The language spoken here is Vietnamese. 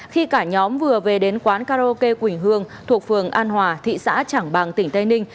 khi cả nhóm vừa về đến quán karaoke quỳnh hương thuộc phường an hòa thị xã trảng bàng tỉnh tây ninh